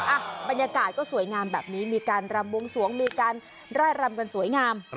อ่ะบรรยากาศก็สวยงามแบบนี้มีการรำวงสวงมีการร่ายรำกันสวยงาม